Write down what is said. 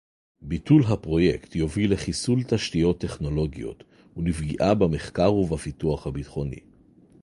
ביטול הפרויקט יוביל לחיסול תשתיות טכנולוגיות ולפגיעה במחקר ובפיתוח הביטחוני